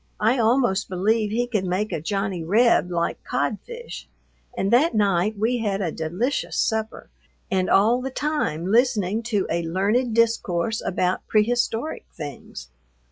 I almost believe he could make a Johnny Reb like codfish, and that night we had a delicious supper and all the time listening to a learned discourse about prehistoric things.